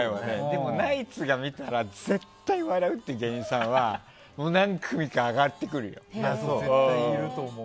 でも、ナイツが見たら絶対に笑うっていう芸人さんは何組か挙がってくるよ。